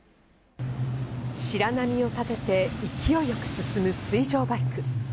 白波を立てて、勢いよく進む水上バイク。